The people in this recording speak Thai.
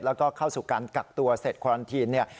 แล้วก็เข้าสู่การกักตัวเสร็จควารันทีนเนี่ย